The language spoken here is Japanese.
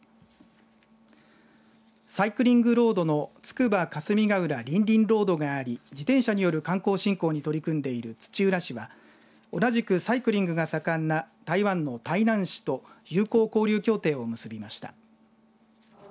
サイクリングロードのつくば霞ヶ浦りんりんロードがあり自転車による観光振興に取り組んでいる土浦市は同じくサイクリングが盛んな台湾の台南市と友好交流協定を結びました。